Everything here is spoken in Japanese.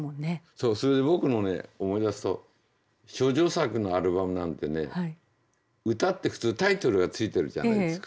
そうそれで僕のね思い出すと処女作のアルバムなんてね歌って普通タイトルが付いてるじゃないですか